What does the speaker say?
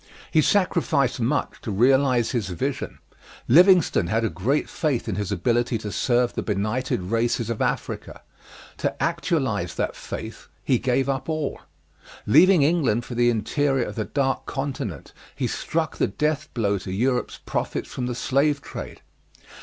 He sacrificed much to realize his vision. Livingstone had a great faith in his ability to serve the benighted races of Africa. To actualize that faith he gave up all. Leaving England for the interior of the Dark Continent he struck the death blow to Europe's profits from the slave trade.